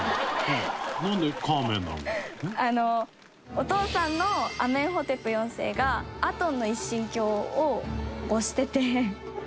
お父さんのアメンヘテプ４世がアテンの一神教を推してて。